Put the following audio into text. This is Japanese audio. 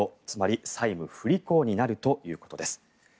つまり債務不履行になるということです。